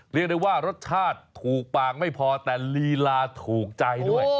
เรียกได้ว่ารสชาติถูกปากไม่พอแต่ลีลาถูกใจด้วย